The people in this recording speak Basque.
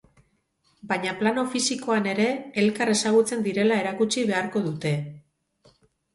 Baina plano fisikoan ere, elkar ezagutzen direla erakutsi beharko dute.